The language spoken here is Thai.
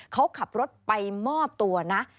เขาขับรถไปมอบตัวนะ